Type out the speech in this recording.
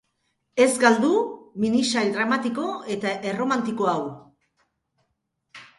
Ez galdu minisail dramatiko eta erromantiko hau!